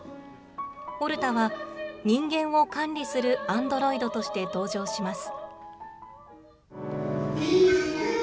オルタは、人間を管理するアンドロイドとして登場します。